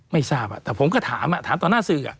ไม่ทราบแต่ผมก็ถามถามต่อหน้าสื่อ